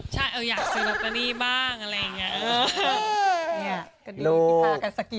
ใช่อยากซื้อลอตเตอรี่บ้างอะไรอย่างนี้